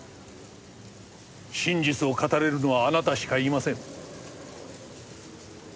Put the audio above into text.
真実を語れるのはあなたしかいません。